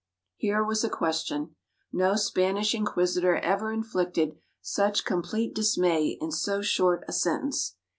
Here was a question. No Spanish inquisitor ever inflicted such complete dismay in so short a sentence.